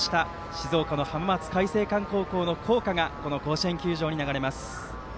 静岡の浜松開誠館高校の校歌が甲子園球場に流れます。